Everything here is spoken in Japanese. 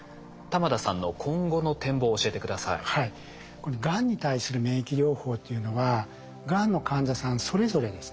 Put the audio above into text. このがんに対する免疫療法というのはがんの患者さんそれぞれですね